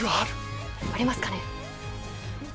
ありますかね。